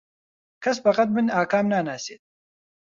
کەس بەقەد من ئاکام ناناسێت.